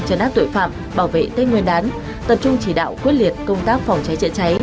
chấn áp tội phạm bảo vệ tết nguyên đán tập trung chỉ đạo quyết liệt công tác phòng cháy chữa cháy